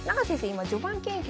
今序盤研究